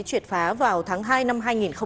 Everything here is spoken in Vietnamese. truyệt phá vào tháng hai năm hai nghìn một mươi tám